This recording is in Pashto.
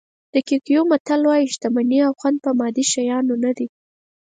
د کیکویو متل وایي شتمني او خوند په مادي شیانو نه دي.